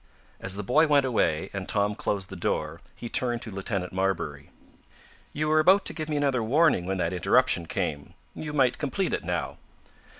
As the boy went away, and Tom closed the door, he turned to Lieutenant Marbury. "You were about to give me another warning when that interruption came. You might complete it now."